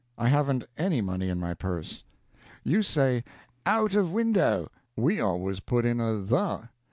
'I haven't any money in my purse.' You say 'out of window'; we always put in a the.